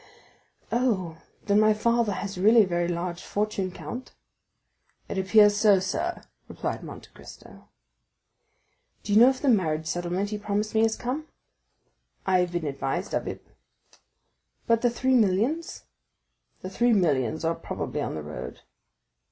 "Oh, then my father has really a very large fortune, count?" "It appears so, sir," replied Monte Cristo. "Do you know if the marriage settlement he promised me has come?" "I have been advised of it." "But the three millions?" "The three millions are probably on the road."